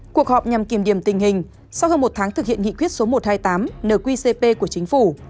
cuộc họp nhằm kiểm điểm tình hình sau hơn một tháng thực hiện nghị quyết số một trăm hai mươi tám nqcp của chính phủ